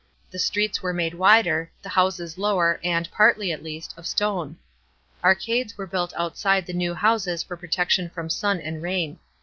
The streets were made wider, the houses lower and, partly at least, of stone. Arcades were built outside the new houses for protection from sun and rain.